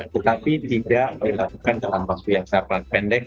tetapi tidak dilakukan dalam waktu yang sangat pendek